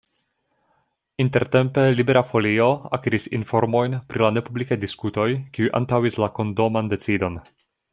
Intertempe Libera Folio akiris informojn pri la nepublikaj diskutoj kiuj antaŭis la kondoman decidon.